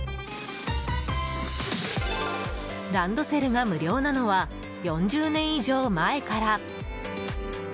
ランドセルが無料なのは４０年以上前から。